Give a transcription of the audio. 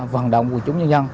vận động của chúng dân